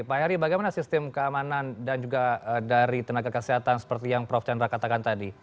pak heri bagaimana sistem keamanan dan juga dari tenaga kesehatan seperti yang prof chandra katakan tadi